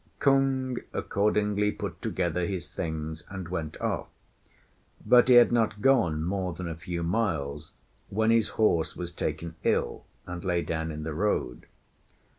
Kung accordingly put together his things and went off; but he had not gone more than a few miles when his horse was taken ill, and lay down in the road.